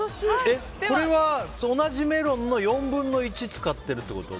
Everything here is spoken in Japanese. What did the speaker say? これは同じメロンの４分の１使ってるってこと？